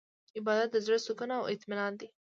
عبادت د زړه سکون او اطمینان دی.